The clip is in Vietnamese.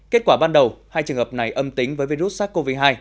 kết quả ban đầu hai trường hợp này âm tính với virus sars cov hai